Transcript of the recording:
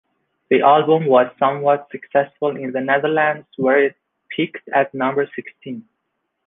The album was somewhat successful in the Netherlands, where it peaked at number sixteen.